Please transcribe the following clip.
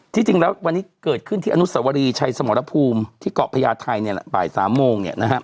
จริงแล้ววันนี้เกิดขึ้นที่อนุสวรีชัยสมรภูมิที่เกาะพญาไทยเนี่ยแหละบ่าย๓โมงเนี่ยนะฮะ